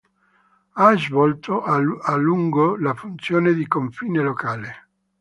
Ha svolto a lungo la funzione di confine locale.